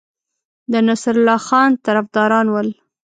د نصرالله خان طرفداران ول.